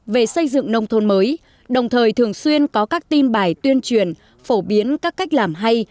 về xây dựng nông thôn mới đồng thời thường xuyên có các tin bài tuyên truyền phổ biến các cách làm hay